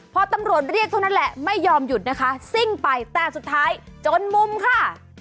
พอตำรวจเรียกเท่านั้นแหละไม่ยอมหยุดนะคะซิ่งไปแต่สุดท้ายจนมุมค่ะ